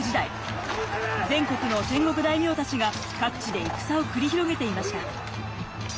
全国の戦国大名たちが各地で戦を繰り広げていました。